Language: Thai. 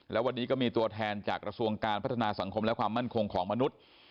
และวันนี้ก็มีตัวแทนจากกระทรวงการพัฒนาสังคมและความมั่นคงของมนุษย์